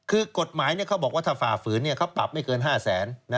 คือกฎหมายเขาบอกว่าถ้าฝ่าฝืนเขาปรับไม่เกิน๕แสน